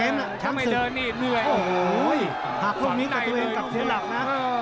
โอ้โหหากพรุ่งนี้กับตัวเองกลับเสียหลับนะ